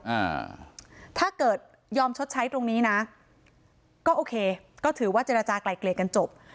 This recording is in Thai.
อ่าถ้าเกิดยอมชดใช้ตรงนี้นะก็โอเคก็ถือว่าเจรจากลายเกลียดกันจบ